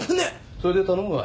それで頼むわ。